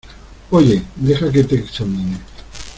oye, deja que te examine.